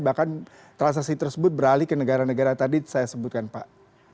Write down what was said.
bahkan transaksi tersebut beralih ke negara negara tadi saya sebutkan pak